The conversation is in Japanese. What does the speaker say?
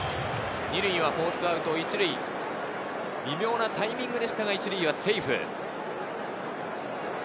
２塁はフォースアウト、１塁、微妙なタイミングでしたが１塁はセーフ。